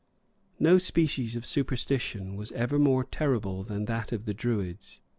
] No species of superstition was ever more terrible than that of the druids.